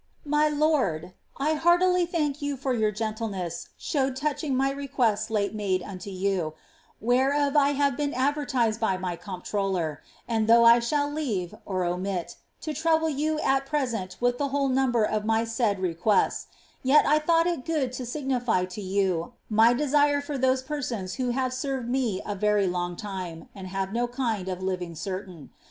•* My lord, *' I heartily thank you for your gentleness showed touching my re<iiiefts Ufe made unto you, whereof I have been advertised by ray comptroller ; aiid tboagh I shall leave (omit) to trouble you at present with the whole number of my saifl requests, yet I thought it good to signify to yon my desire for those penons vbo have served me a very long time, and have no kind of living certain.